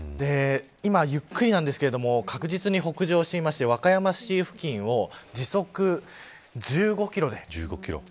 今ゆっくりなんですけれども確実に北上していて和歌山市付近を時速１５キロで。